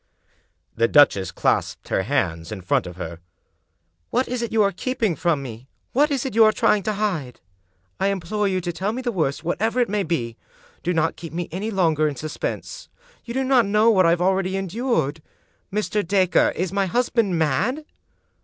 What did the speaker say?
The duchess clasped her hands in front of her. "What is it you are keeping from me? What is it you are trying to hide? I implore you to tell me the worst, whatever it may be I Do not keep me any longer in sus pense; you do not know what I already have endured. Mr. Dacre, is my husband mad?"